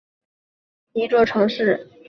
泰特文是位于保加利亚的一座城市。